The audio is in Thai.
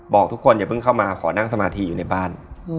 บอกทุกคนอย่าเพิ่งเสร็จข้อนะอยากนั่งสมาธิอยู่ในบ้าน